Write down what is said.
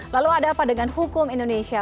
lalu ada apa dengan hukum indonesia